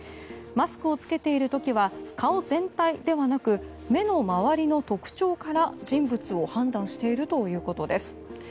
マスクを着けている時は顔全体ではなく目の周りの特徴から人物を判断しているということです。